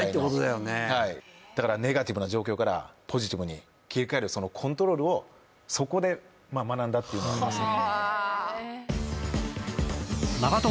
ネガティブな状況からポジティブに切り替えるコントロールをそこで学んだっていうのはありますね。